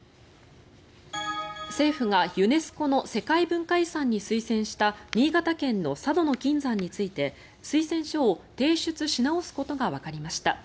政府がユネスコの世界文化遺産に推薦した新潟県の佐渡島の金山について推薦書を提出し直すことがわかりました。